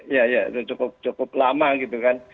ya ya sudah cukup lama gitu kan